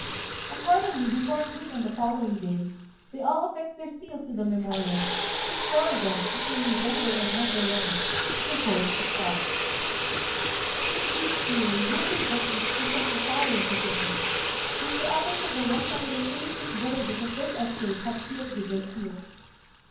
Accordingly, before noon on the following day, they all affixed their seals to the memorial, which four of them, including Zembei and Hanzayémon, composed, as follows: "With deep fear we humbly venture to present the following petition, which the elders of the one hundred and thirty six villages of this estate have sealed with their seals.